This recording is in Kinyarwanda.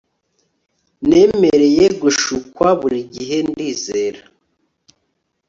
Nemereye gushukwa buri gihe Ndizera